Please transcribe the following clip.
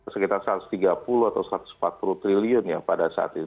sekitar satu ratus tiga puluh atau satu ratus empat puluh triliun ya pada saat itu